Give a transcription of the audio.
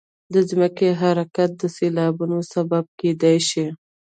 د ځمکې حرکات د سیلابونو سبب کېدای شي.